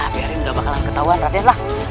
biar dia tidak ketahuan raden